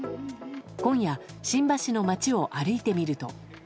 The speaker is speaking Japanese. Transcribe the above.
今夜、新橋の街を歩いてみると。